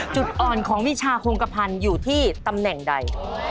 จุดอ่อนของวิชาโครงกระพันธ์อยู่ที่ตำแหน่งใด